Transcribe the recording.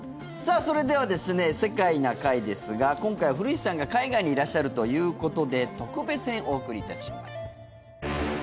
それでは「世界な会」ですが今回は古市さんが海外にいらっしゃるということで特別編お送りいたします。